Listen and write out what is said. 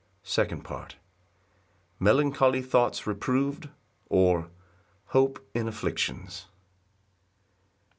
Second Part. Melancholy thoughts reproved; or, Hope in afflictions.